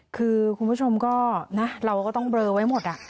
คือคุณผู้ชมก็นะเราก็ต้องเบลอไว้หมด